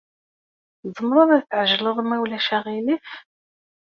Tzemreḍ ad tɛejleḍ, ma ulac aɣilif?